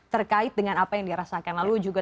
terkait dengan apa yang dia rasakan lalu juga